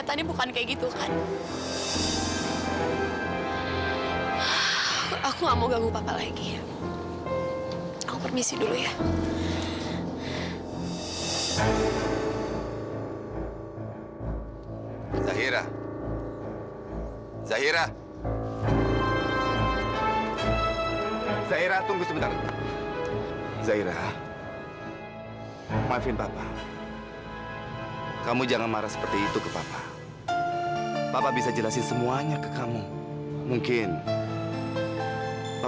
sampai jumpa di video selanjutnya